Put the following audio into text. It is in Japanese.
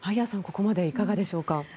ここまででいかがでしょうか。